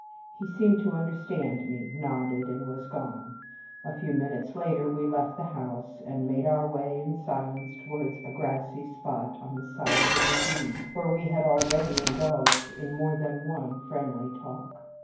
He seemed to understand me, nodded, and was gone. A few minutes later we left the house, and made our way in silence towards a grassy spot on the side of the ravine where we had already indulged in more than one friendly talk.